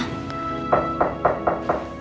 saya ingin tahu